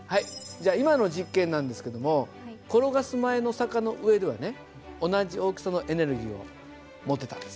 じゃ今の実験なんですけども転がす前の坂の上ではね同じ大きさのエネルギーを持ってたんです。